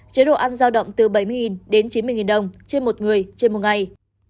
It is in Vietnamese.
chế độ ăn giao động từ bảy mươi đến chín mươi đồng trên một người trên một ngày